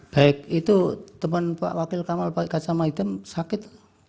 baik itu teman pak wakil kamal pakai kacama hitam sakit